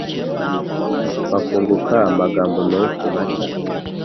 bakunguka amagambo menshi mashya.